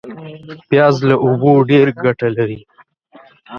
پیاز له اوبو ډېر ګټه اخلي